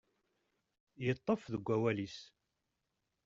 Yeṭṭef deg wawal-is.